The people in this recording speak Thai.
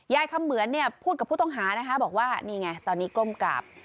คำเหมือนเนี่ยพูดกับผู้ต้องหานะคะบอกว่านี่ไงตอนนี้ก้มกราบ